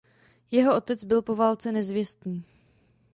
Jeho otec byl po válce nezvěstný.